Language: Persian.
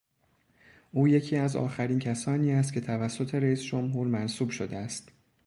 او یکی از آخرین کسانی است که توسط رئیس جمهور منصوب شده است.